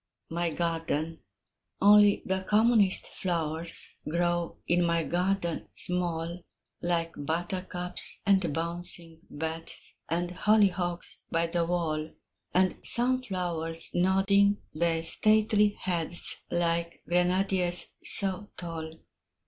MY GARDEN Only the commonest flowers Grow in my garden small, Like buttercups, and bouncing bets, And hollyhocks by the wall, And sunflowers nodding their stately heads, Like grenadiers so tall.